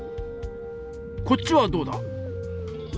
こっちはどうだ？